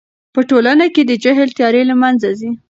په ټولنه کې د جهل تیارې له منځه ځي.